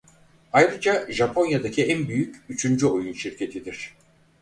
Ayrıca Japonya'daki en büyük üçüncü oyun şirketidir.